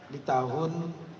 di tahun dua ribu enam belas